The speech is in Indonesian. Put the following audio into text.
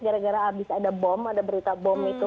gara gara habis ada bom ada berita bom itu